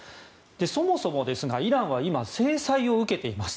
そもそもですが、イランは今、制裁を受けています。